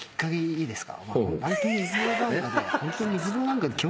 いいですか？